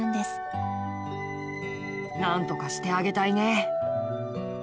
なんとかしてあげたいね。